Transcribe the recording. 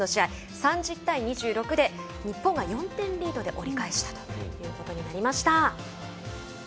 ３０対２６で日本が４点リードで折り返したということになりました。